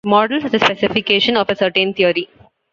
Models are the specification of a certain theory.